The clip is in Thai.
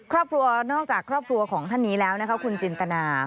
ครอบครัวนอกจากครอบครัวของท่านนี้แล้วนะคะคุณจินตนา